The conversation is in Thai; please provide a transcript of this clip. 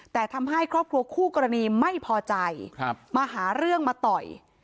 แต่ทำให้ครอบครัวคู่กรณีไม่พอใจมาหาเรื่องมาต่อย